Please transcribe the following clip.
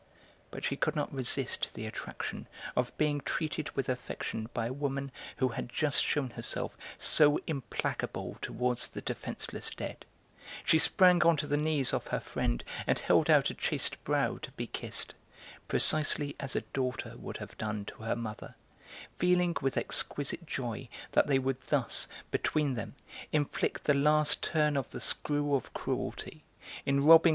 But she could not resist the attraction of being treated with affection by a woman who had just shewn herself so implacable towards the defenceless dead; she sprang on to the knees of her friend and held out a chaste brow to be kissed; precisely as a daughter would have done to her mother, feeling with exquisite joy that they would thus, between them, inflict the last turn of the screw of cruelty, in robbing M.